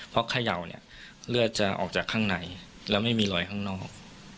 เพราะไข่เยาเลือดจะออกจากข้างในและไม่มีลอยข้างนอก